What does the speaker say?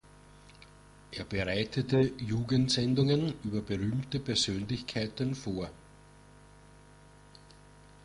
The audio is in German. Er bereitete Jugendsendungen über berühmte Persönlichkeiten vor.